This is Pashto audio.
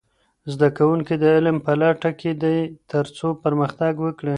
زده کوونکي د علم په لټه کې دي ترڅو پرمختګ وکړي.